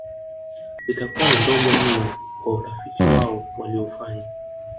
Zitakuwa ni ndogo mno kwa utafiti wao walioufanya